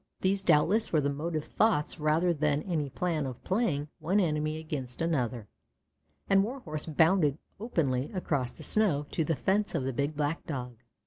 These doubtless were the motive thoughts rather than any plan of playing one enemy against another, and Warhorse bounded openly across the snow to the fence of the big black Dog.